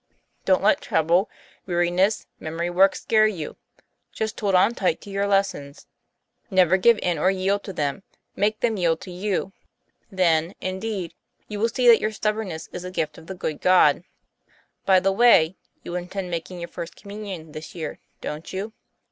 Don't let trouble, weari ness, memory work scare you; just hold on tight to your lessons. Never give in or yield to them; make them yield to you. Then, indeed, you will see that TOM PLAYFAIR. 91 your stubbornness is a gift of the good God. By the way, you intend making your First Communion this year, don't you?"